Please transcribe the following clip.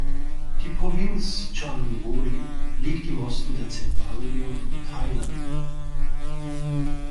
Die Provinz Chon Buri liegt im Osten der Zentralregion von Thailand.